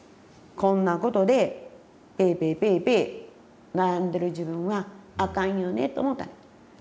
こんなことでピーピーピーピー悩んでる自分はあかんよねと思うた。